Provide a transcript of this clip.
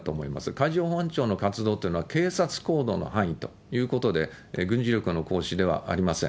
海上保安庁の活動というのは警察行動の範囲ということで、軍事力の行使ではありません。